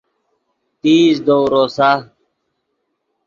تیز دؤ روسا